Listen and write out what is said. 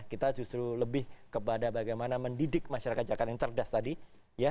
kita justru lebih kepada bagaimana mendidik masyarakat jakarta yang cerdas tadi ya